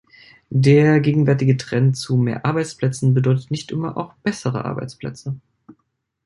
Der gegenwärtige Trend zu mehr Arbeitsplätzen bedeutet nicht immer auch bessere Arbeitsplätze.